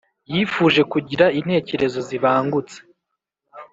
yifuje kugira intekerezo zibangutse,